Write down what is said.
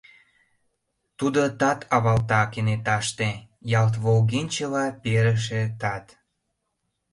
Тудо тат авалта кенеташте, ялт волгенчыла перыше тат.